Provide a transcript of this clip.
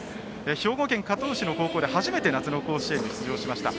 兵庫県加東市の高校で初めて夏の甲子園に出場しました。